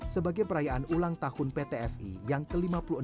sebagai perayaan ulang tahun pt fi yang ke lima puluh enam